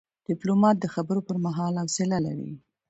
ډيپلومات د خبرو پر مهال حوصله لري.